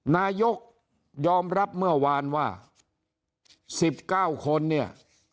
นายกยอมรับเมื่อวานว่า๑๙คนเนี่ย